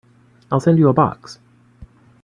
I'll send you a box.